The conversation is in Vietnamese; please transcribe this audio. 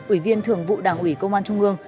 ủy viên thường vụ đảng ủy công an trung ương